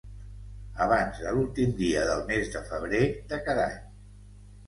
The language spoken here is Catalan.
Abans de l'últim dia del mes de febrer de cada any.